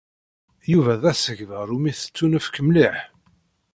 Yuba d asegbar umi tettunefk mliḥ.